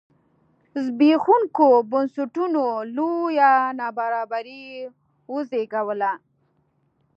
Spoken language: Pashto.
زبېښوونکو بنسټونو لویه نابرابري وزېږوله.